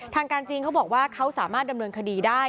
ทางการจีนเขาบอกว่าเขาสามารถดำเนินคดีได้